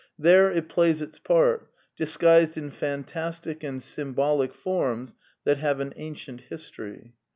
There it plays its part, disguised in fantastic and symbolic forms that have an ancient history.